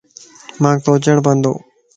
مانک سوچڻ پوندو